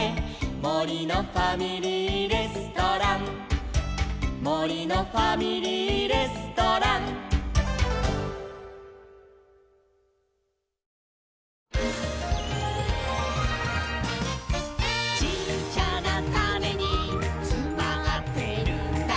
「もりのファミリーレストラン」「もりのファミリーレストラン」「ちっちゃなタネにつまってるんだ」